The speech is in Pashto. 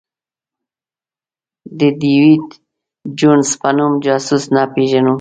د ډېویډ جونز په نوم جاسوس نه پېژنو.